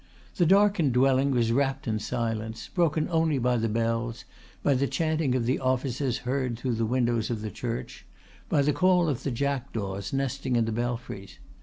The darkened dwelling was wrapped in silence, broken only by the bells, by the chanting of the offices heard through the windows of the church, by the call of the jackdaws nesting in the belfries.